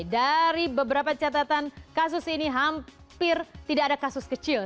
dari beberapa catatan kasus ini hampir tidak ada kasus kecil